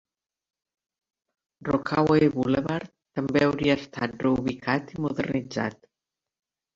Rockaway Boulevard també hauria estat reubicat i modernitzat.